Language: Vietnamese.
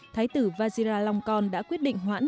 thái tử mahavajiralongkorn đã quyết định hoãn